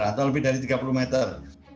atau lebih dari tiga puluh meter